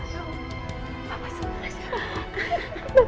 pak bos bangun